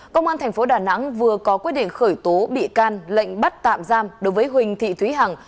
công an tp đà nẵng vừa có quyết định khởi tố bị can lệnh bắt tạm giam đối với huỳnh thị thúy hằng